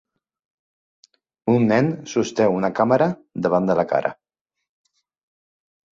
Un nen sosté una càmera davant de la cara.